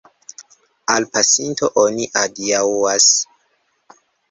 Al pasinto oni adiaŭas.